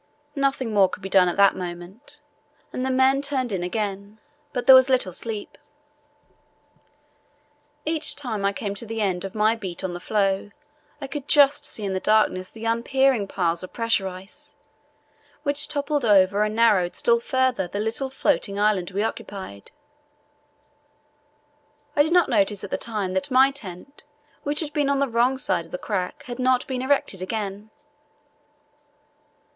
Nothing more could be done at that moment, and the men turned in again; but there was little sleep. Each time I came to the end of my beat on the floe I could just see in the darkness the uprearing piles of pressure ice, which toppled over and narrowed still further the little floating island we occupied. I did not notice at the time that my tent, which had been on the wrong side of the crack, had not been erected again.